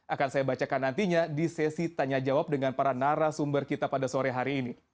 akan saya bacakan nantinya di sesi tanya jawab dengan para narasional